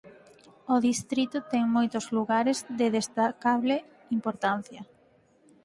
O distrito ten moitos lugares de destacable importancia.